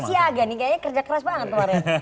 siaga nih kayaknya kerja keras banget kemarin